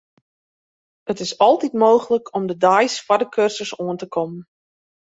It is altyd mooglik om de deis foar de kursus oan te kommen.